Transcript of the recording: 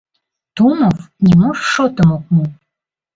Тумов нимо шотым ок му.